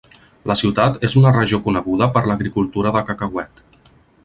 La ciutat és en una regió coneguda per l'agricultura de cacauet.